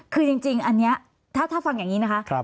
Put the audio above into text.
คือจริงอันนี้ถ้าฟังอย่างนี้นะคะ